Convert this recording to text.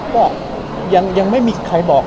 ก็ยังไม่มีใครบอก